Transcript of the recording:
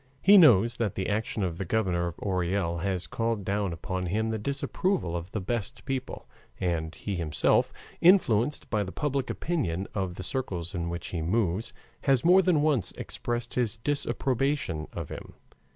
He knows that the action of the Governor of Orel has called down upon him the disapproval of the best people, and he himself, influenced by the public opinion of the circles in which he moves, has more than once expressed his disapprobation of him.